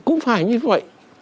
cũng phải như vậy